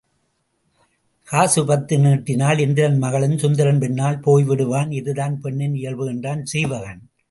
காசு பத்து நீட்டினால் இந்திரன் மகளும் சுந்தரன் பின்னால் போய்விடுவாள் இதுதான் பெண்ணின் இயல்பு என்றான் சீவகன்.